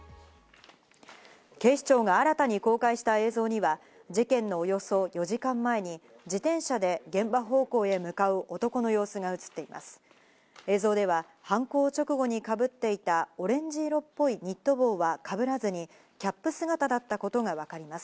警視庁が新たに公開した映像には、事件のおよそ４時間前に自転車で現場方向へ向かう男の様子が映っています。